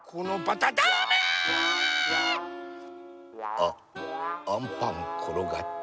あっアンパンころがった。